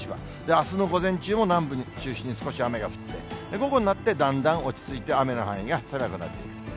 あすの午前中も南部を中心に少し雨が降って、午後になって、だんだん落ち着いて雨の範囲が狭くなっていくと。